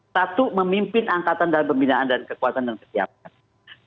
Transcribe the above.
satu memimpin angkatan dan pembinaan dan kekuatan dan ketidakpastian